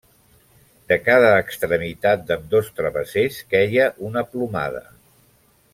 De cada extremitat d'ambdós travessers queia una plomada.